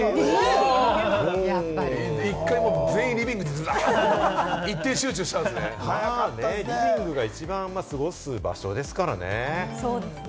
全員「リビング」で一点集中リビングが一番過ごす場所ですからね。